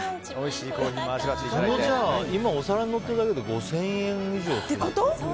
今、お皿にのってるだけで５０００円以上ってこと？